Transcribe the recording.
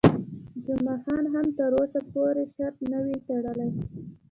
جمعه خان هم تر اوسه پرې شرط نه وي تړلی.